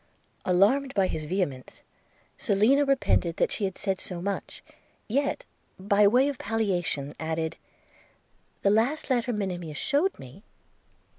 Alarmed by his vehemence, Selina repented that she had said so much; yet, by way of palliation, added – 'The last letter Monimia shewed me